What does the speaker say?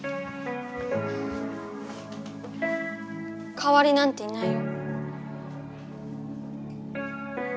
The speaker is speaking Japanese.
かわりなんていないよ。